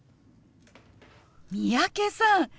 三宅さん